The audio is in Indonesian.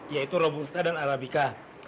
yaitu robusta dan arabica